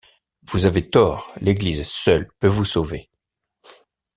Vous avez tort, l’Église seule peut vous sauver...